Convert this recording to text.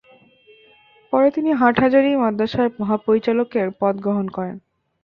পরে তিনি হাটহাজারী মাদরাসার মহাপরিচালকের পদ গ্রহণ করেন।